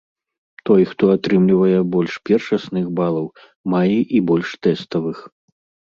Той, хто атрымлівае больш першасных балаў, мае і больш тэставых.